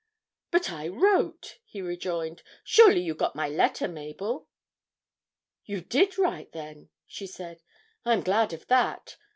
'But I wrote,' he rejoined; 'surely you got my letter, Mabel?' 'You did write, then?' she said. 'I am glad of that.